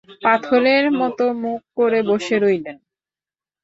পাথরের মতো মুখ করে বসে রইলেন।